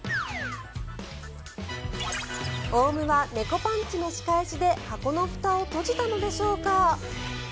オウムは猫パンチの仕返しで箱のふたを閉じたのでしょうか。